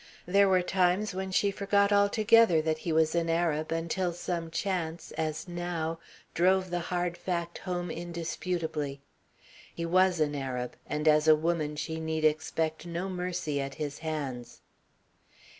There were times when she forgot altogether that he was an Arab until some chance, as now, drove the hard fact home indisputably. He was an Arab, and as a woman she need expect no mercy at his hands.